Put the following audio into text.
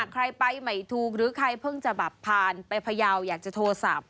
ใครไปไม่ถูกหรือใครเพิ่งจะแบบผ่านไปพยาวอยากจะโทรศัพท์